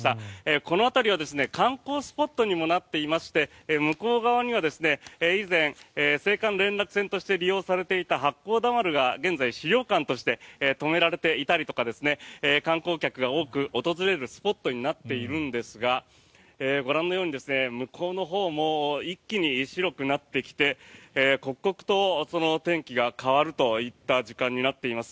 この辺りは観光スポットにもなっていまして向こう側には以前青函連絡船として使われていた船が現在、資料館として止められていたりとか観光客が多く訪れるスポットになっているんですがご覧のように向こうのほうも一気に白くなってきて刻々と天気が変わるといった時間になっています。